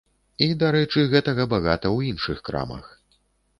І, дарэчы, гэтага багата ў іншых крамах.